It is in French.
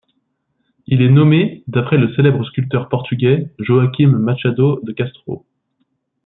Il est nommé d'après le célèbre sculpteur portugais Joaquim Machado de Castro.